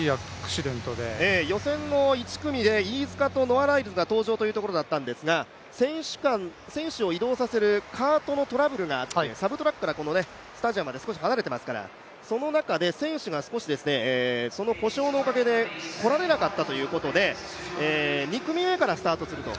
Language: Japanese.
予選の１組で飯塚とノア・ライルズが登場というところだったんですが選手を移動させるカートのトラブルがあってサブトラックからこのスタジアムまで少し離れていますから、その中で選手が少しその故障のおかげで来られなかったということで２組目からスタートすると。